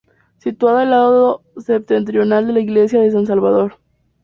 Situada el lado septentrional de la iglesia de San Salvador.